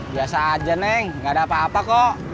biasa aja neng gak ada apa apa kok